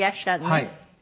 はい。